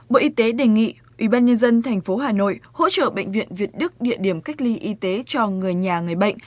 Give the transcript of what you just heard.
bộ y tế đề nghị ubnd tp hà nội hỗ trợ bệnh viện việt đức địa điểm cách ly y tế cho người nhà người bệnh